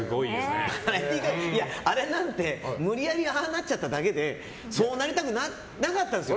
あれなんて無理やりああなっちゃっただけでそうなりたくなかったんですよ。